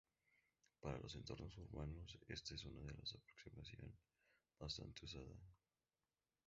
Para los entornos urbanos esta es una aproximación bastante usada.